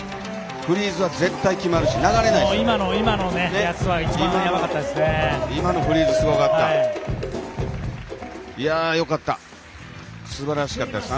フリーズは絶対決まるし流れないんですよね。